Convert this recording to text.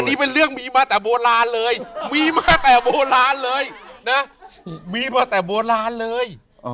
นี่เป็นเรื่องมีมาแต่โบราณเลยมีมาแต่โบราณเลยนะมีมาแต่โบราณเลย